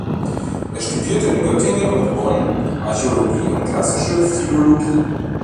Er studierte in Göttingen und Bonn Archäologie und Klassische Philologie.